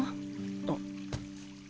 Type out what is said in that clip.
あっ。